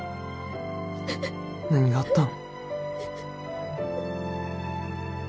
何があったん？